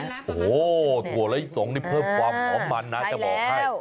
โอ้โหถั่วลิสงเพิ่มความมันนะจะบอกให้